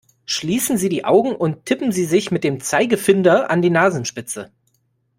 Schließen Sie die Augen und tippen Sie sich mit dem Zeigefinder an die Nasenspitze!